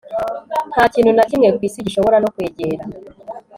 nta kintu na kimwe ku isi gishobora no kwegera